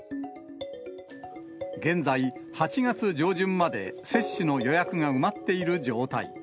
現在、８月上旬まで接種の予約が埋まっている状態。